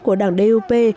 của đảng dup